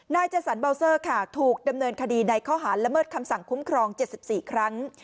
เจสันเบาเซอร์ค่ะถูกดำเนินคดีในข้อหารละเมิดคำสั่งคุ้มครอง๗๔ครั้ง